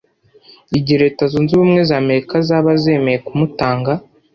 igihe Leta Zunze Ubumwe za Amerika zaba zemeye kumutanga